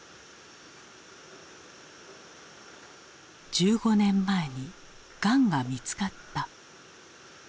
１５年前にがんが見つかった。